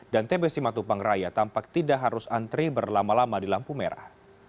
dan tbs simatupang raya tampak tidak harus antri berlama lama di lampu merah